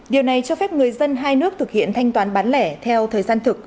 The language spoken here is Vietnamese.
điều này cho phép người dân hai nước thực hiện thanh toán bán lẻ theo thời gian thực